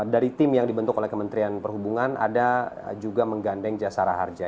dari tim yang dibentuk oleh kementerian perhubungan ada juga menggandeng jasara harja